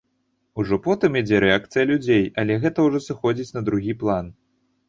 Ужо потым ідзе рэакцыя людзей, але гэта ўжо сыходзіць на другі план.